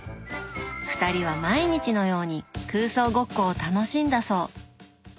２人は毎日のように空想ごっこを楽しんだそう。